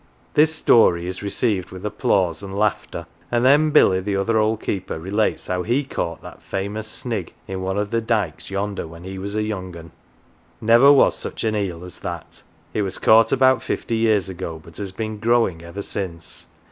" This story is received with applause and laughter, and then Billy, the other old keeper, relates how he caught that famous " snig " in one of the dykes yonder, when he was a young 'un. Never was such an eel as that ; it was caught about fifty years ago, but has been growing ever since.